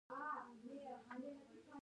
افغانستان د کندهار له امله ډېر شهرت لري.